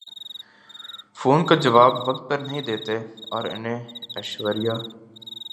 phone کا جواب وقت پر نہیں دیتیں اور انہیں ایشوریا